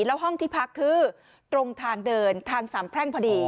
แล้วห้องที่พักคือตรงทางเดินทางสามแพร่งพอดี